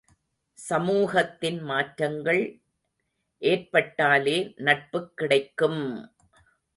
சமூகத்தின் மாற்றங்கள் ஏற்பட்டாலே நட்புக் கிடைக்கும்!